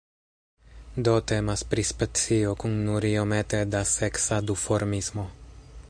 Do temas pri specio kun nur iomete da seksa duformismo.